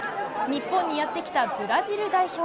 日本にやって来たブラジル代表。